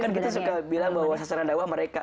kan kita suka bilang bahwa sasaran dakwah mereka